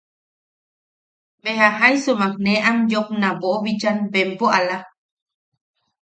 Beja jaisumak ne am yoopna boʼobichan bempo ala.